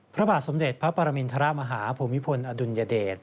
พระบาทสมเด็จพระปรมินทรมาฮาภูมิพลอดุลยเดช